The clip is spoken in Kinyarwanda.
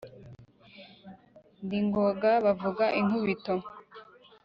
Ndi Ngoga bavuga inkubito